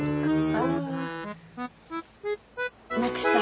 ああなくした。